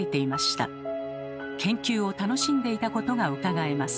研究を楽しんでいたことがうかがえます。